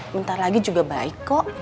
bentar lagi juga baik kok